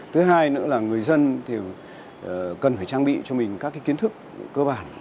thứ hai nữa là người dân thì cần phải trang bị cho mình các kiến thức cơ bản